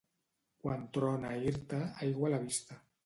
Quan trona a Irta, aigua a la vista.